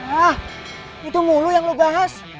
hah itu mulu yang lu bahas